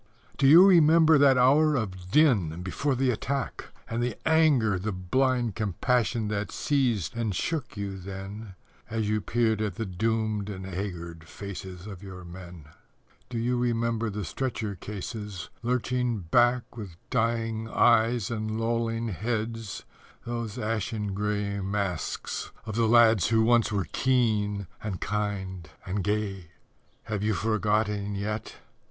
Do you remember that hour of din before the attack And the anger, the blind compassion that seized and shook you then As you peered at the doomed and haggard faces of your men? Do you remember the stretcher cases lurching back With dying eyes and lolling heads, those ashen grey Masks of the lad who once were keen and kind and gay? _Have you forgotten yet?...